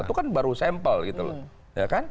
itu kan baru sampel gitu loh